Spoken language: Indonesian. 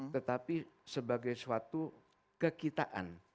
tetapi sebagai suatu kekitaan